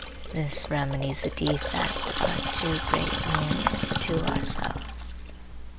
This remedies the defect of our too great nearness to ourselves.